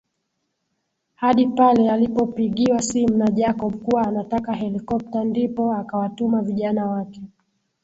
Hadi pale alipopigiwa simu na Jacob kuwa anataka helikopta ndipo akawatuma vijana wake